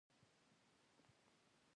د چای لپاره مو ککو او چاکلېټ واخيستل.